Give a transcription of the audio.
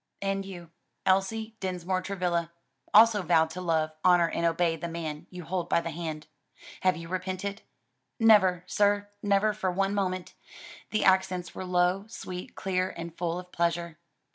"And you, Elsie Dinsmore Travilla, also vowed to love, honor and obey the man you hold by the hand. Have you repented?" "Never, sir; never for one moment." The accents were low, sweet, clear, and full of pleasure.